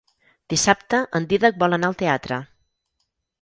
Dissabte en Dídac vol anar al teatre.